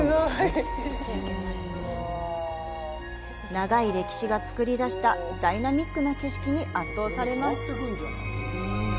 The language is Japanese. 長い歴史がつくり出したダイナミックな景色に圧倒されます。